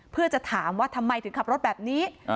เพื่อจะถามว่าทำไมถึงขับรถแบบนี้